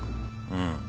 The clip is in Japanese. うん。